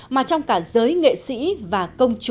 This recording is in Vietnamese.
mà trong cả giới nghệ sĩ và công chúng